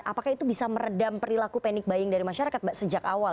apakah itu bisa meredam perilaku panic buying dari masyarakat mbak sejak awal